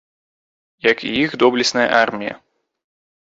Як і іх доблесная армія.